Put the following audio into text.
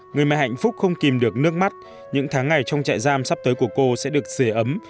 người mà hạnh phúc không kìm được nước mắt những tháng ngày trong chạy giam sắp tới của cô sẽ được dễ ấm